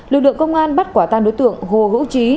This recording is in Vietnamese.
lực lượng công an bắt quả tan đối tượng hồ hữu trí